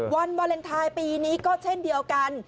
วันวาเลนไทยปีนี้ก็เช่นเดียวกัน